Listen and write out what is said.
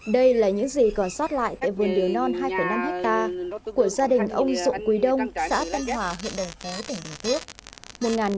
đây là những gì còn sót lại tại vườn điều non hai năm hectare của gia đình ông dũng quý đông xã tân hòa huyện đồng tế tỉnh hồ tước